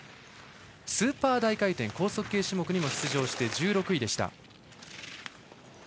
スーパー大回転、高速系種目にも出場して１６位でした。